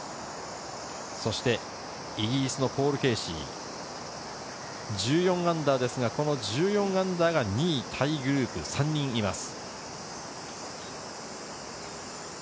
そしてイギリスのポール・ケーシー、−１４ですが、この−１４が２位タイグループ３人います。